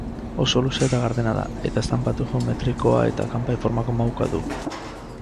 Oso luzea eta gardena da, eta estanpatu geometrikoa eta kanpai-formako mahuka du.